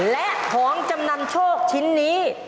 และของจำนำโชคชิ้นนี้